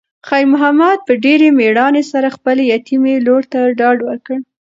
خیر محمد په ډېرې مېړانې سره خپلې یتیمې لور ته ډاډ ورکړ.